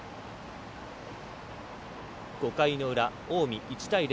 ５回の裏、近江、１対０。